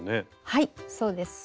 はいそうです。